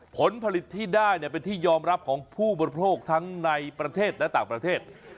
ผลผลิตที่ได้เป็นที่ยอมรับของผู้บริโภคทั้งในประเทศและต่างประเทศ